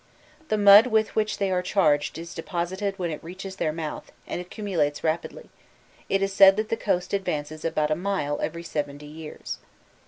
The mud with which they are charged is deposited when it reaches their mouth, and accumulates rapidly; it is said that the coast advances about a mile every seventy years.